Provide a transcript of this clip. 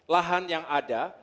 lahan yang ada